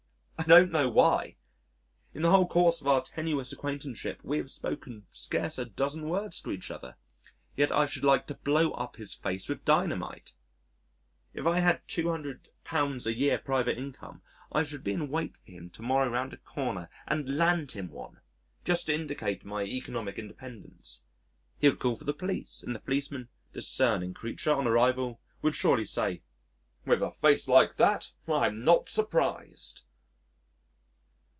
I don't know why.... In the whole course of our tenuous acquaintance we have spoken scarce a dozen words to each other. Yet I should like to blow up his face with dynamite. If I had £200 a year private income I should be in wait for him to morrow round a corner and land him one just to indicate my economic independence. He would call for the police and the policeman discerning creature on arrival, would surely say, "With a face like that, I'm not surprised."